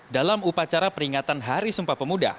dalam upacara peringatan hari sumpah pemuda